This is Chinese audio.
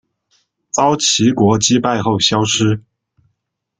遭齐国击败后消失。